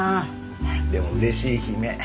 でも嬉しい悲鳴。